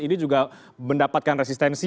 ini juga mendapatkan resistensi